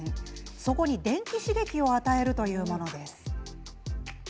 そこに電気刺激を与えるというものです。